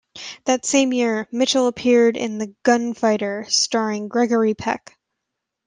That same year, Mitchell appeared in "The Gunfighter", starring Gregory Peck.